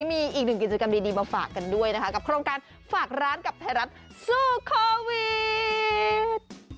มีอีกหนึ่งกิจกรรมดีมาฝากกันด้วยนะคะกับโครงการฝากร้านกับไทยรัฐสู้โควิด